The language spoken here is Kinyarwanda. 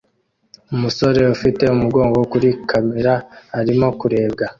Umusore ufite umugongo kuri kamera arimo kurebwa